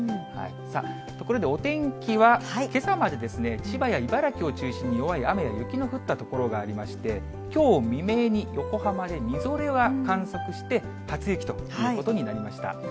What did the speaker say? ところでお天気は、けさまで、千葉や茨城を中心に弱い雪や雨の降った所がありまして、きょう未明に横浜でみぞれは観測して、初雪ということになりました。